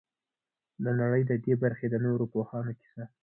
د نړۍ د دې برخې د نورو پوهانو کیسه.